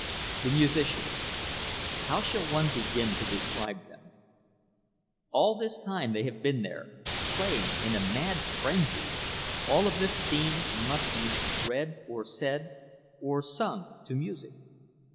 The musicians—how shall one begin to describe them? All this time they have been there, playing in a mad frenzy—all of this scene must be read, or said, or sung, to music.